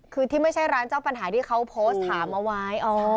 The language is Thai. คือที่ไม่ใช่ร้านเจ้าปัญหาที่เขาโพสต์ถามเอาไว้